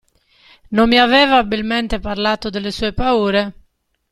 Non mi aveva abilmente parlato delle sue paure?